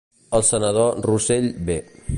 El senador Russell B.